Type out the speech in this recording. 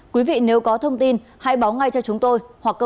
quý vị nếu có thông tin hãy báo ngay cho chúng tôi